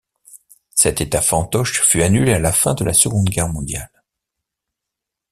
Cet État fantoche fut annulé à la fin de la Seconde Guerre mondiale.